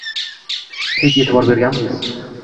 Hech e’tibor berganmisiz